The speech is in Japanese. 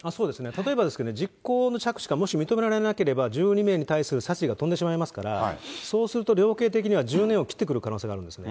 例えばですけれども、実行の着手がもし認められなければ、１２名に対する殺意が飛んでしまいますから、そうすると、量刑的には１０年を切ってくる可能性があるんです。